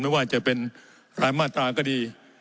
ไม่ว่าจะเป็นรายมาตราก็ดี